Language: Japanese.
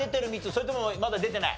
それともまだ出てない？